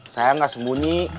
saya gak sembunyi